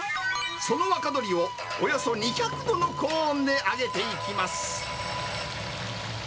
その若鶏をおよそ２００度の高温で揚げていきます。